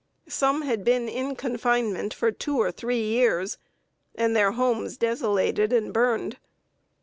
Some had been in confinement for two or three years, and their homes desolated and burned.